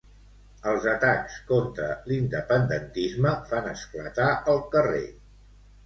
Els atacs contra l'independentisme fan esclatar el carrer.